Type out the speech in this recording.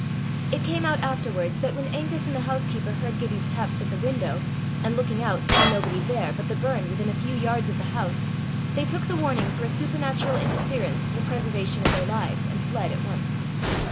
It came out afterwards that when Angus and the housekeeper heard Gibbie's taps at the window, and, looking out, saw nobody there, but the burn within a few yards of the house, they took the warning for a supernatural interference to the preservation of their lives, and fled at once.